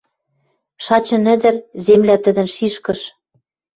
Шачын ӹдӹр — земля тӹдӹн шишкыш!